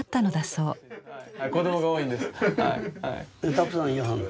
たくさんいはんの？